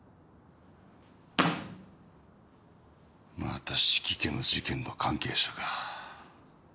また四鬼家の事件の関係者か。